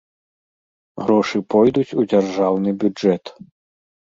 Грошы пойдуць у дзяржаўны бюджэт.